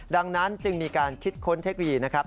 ดังนั้นจึงมีการคิดค้นเทคโนโลยีนะครับ